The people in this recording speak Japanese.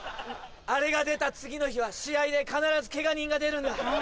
あれが出た次の日は試合で必ずケガ人が出るんだ。